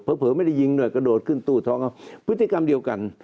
เผลอไม่ได้ยิงด้วยกระโดดขึ้นตู้ท้องเขาพฤติกรรมเดียวกัน